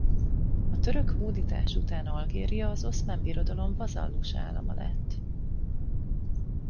A török hódítás után Algéria az Oszmán Birodalom vazallus állama lett.